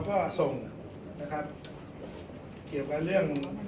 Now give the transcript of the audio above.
ก็จะเสียชีวิตโดย